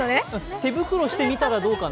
手袋してみたらどうかな？